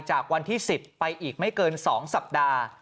จากวันที่๑๐ไปอีกไม่เกิน๒สัปดาห์